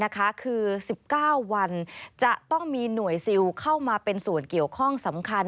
คือ๑๙วันจะต้องมีหน่วยซิลเข้ามาเป็นส่วนเกี่ยวข้องสำคัญ